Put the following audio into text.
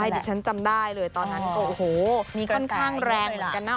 ดิฉันจำได้เลยตอนนั้นก็โอ้โหค่อนข้างแรงเหมือนกันนะ